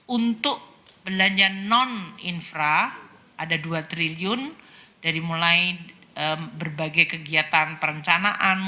untuk belanja non infra ada dua triliun dari mulai berbagai kegiatan perencanaan